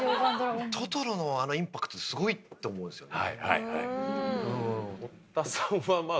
『トトロ』のあのインパクトってすごいって思うんですよね。